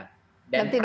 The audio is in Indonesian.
dan tidak kalah penting